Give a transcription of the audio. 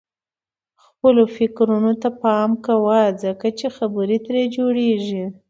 خپلو فکرونو ته پام کوه ځکه چې خبرې ترې جوړيږي.